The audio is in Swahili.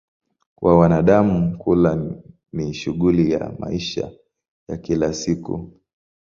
Kwa wanadamu, kula ni shughuli ya maisha ya kila siku.